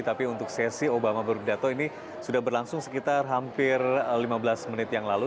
tapi untuk sesi obama berpidato ini sudah berlangsung sekitar hampir lima belas menit yang lalu